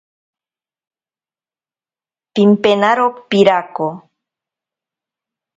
Pimpenaro pirako.